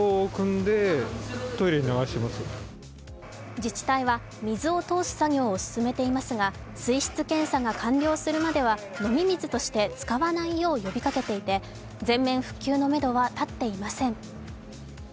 自治体は水を通す作業を進めていますが、水質検査が完了するまでは飲み水として使わないよう呼びかけていて全面復旧のめどは立っていません。